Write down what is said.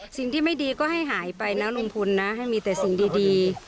สิ่งที่ไม่ดีก็ให้หายไปนะลุงพลนะให้มีแต่สิ่งดี